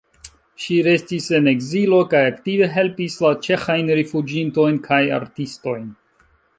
Ŝi restis en ekzilo kaj aktive helpis la ĉeĥajn rifuĝintojn kaj artistojn.